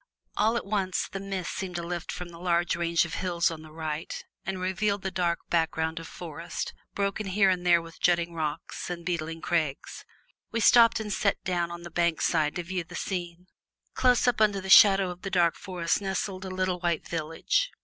All at once the mists seemed to lift from the long range of hills on the right and revealed the dark background of forest, broken here and there with jutting rocks and beetling crags. We stopped and sat down on the bank side to view the scene. Close up under the shadow of the dark forest nestled a little white village.